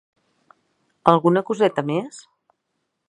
Alguna coseta més?